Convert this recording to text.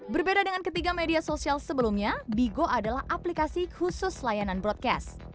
berbeda dengan ketiga media sosial sebelumnya bigo adalah aplikasi khusus layanan broadcast